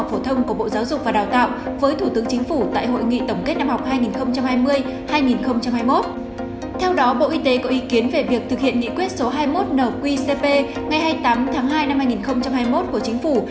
theo đó bộ y tế có ý kiến về việc thực hiện nghị quyết số hai mươi một nqcp ngày hai mươi tám tháng hai năm hai nghìn hai mươi một của chính phủ